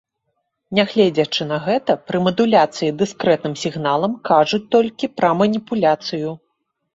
Нягледзячы на гэта, пры мадуляцыі дыскрэтным сігналам кажуць толькі пра маніпуляцыю.